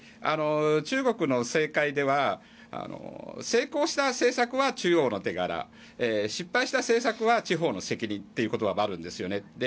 中国の政界では成功した政策は中央の手柄失敗した政策は地方の責任という言葉があるんですよね。